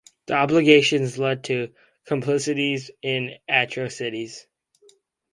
The obligations lead to complicity in atrocities.